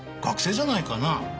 学生じゃないかな。